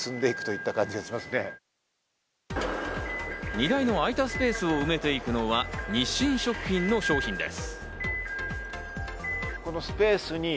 荷台の空いたスペースを埋めているのは日清食品の商品です。